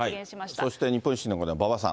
そして日本維新の会の馬場さん。